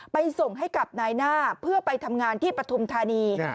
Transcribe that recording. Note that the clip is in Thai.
ส่งให้กับนายหน้าเพื่อไปทำงานที่ปฐุมธานี